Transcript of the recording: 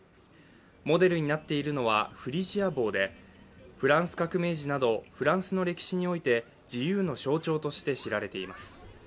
モデルになっているのはフリジア帽でフランス革命時などフランスの歴史において自由の象徴として知られています。